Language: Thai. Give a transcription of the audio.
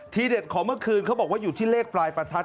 เด็ดของเมื่อคืนเขาบอกว่าอยู่ที่เลขปลายประทัด